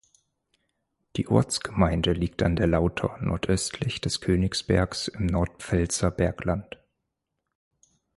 Die Ortsgemeinde liegt an der Lauter nordöstlich des Königsbergs im Nordpfälzer Bergland.